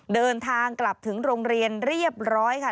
เดินทางกลับถึงโรงเรียนเรียบร้อยค่ะ